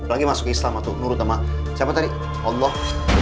lagi masuk ke islam nurut sama siapa tadi allah